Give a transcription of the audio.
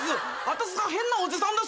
私が変なおじさんです。